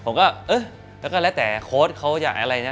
ผมก็เออแล้วก็แล้วแต่โค้ชเขาอยากอะไรนะ